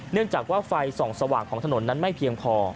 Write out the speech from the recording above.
เนื่องจากว่าไฟส่องสว่างของถนนนั้นไม่เพียงพอ